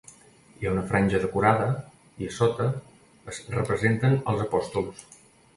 Hi ha una franja decorada i, a sota, es representen els apòstols.